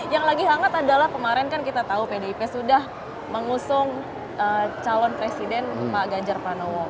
yang lagi hangat adalah kemarin kan kita tahu pdip sudah mengusung calon presiden pak ganjar pranowo